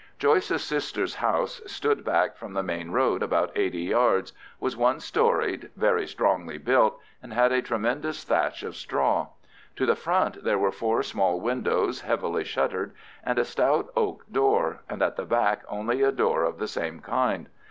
Joyce's sister's house stood back from the main road about eighty yards, was one storied, very strongly built, and had a tremendous thatch of straw; to the front there were four small windows, heavily shuttered, and a stout oak door, and at the back only a door of the same kind.